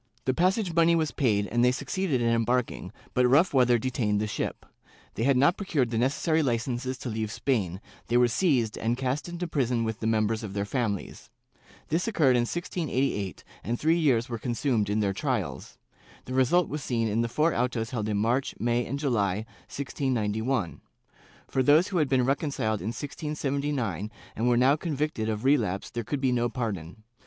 The passage money was paid and they succeeded in embarking, but rough weather detained the ship; they had not procured the necessary Ucences to leave Spain, they were seized and cast into prison with the members of their families. This occurred in. 1688 and three years were consumed in their trials. The result was seen in the four autos held in March, May and July, 1691. For those who had been reconciled in 1679 and were now convicted of relapse there could be no pardon.